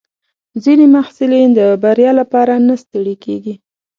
ځینې محصلین د بریا لپاره نه ستړي کېږي.